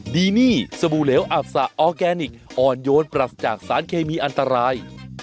ดีนี่สบู่เหลวอับสะออร์แกนิคอ่อนโยนปรัสจากสารเคมีอันตราย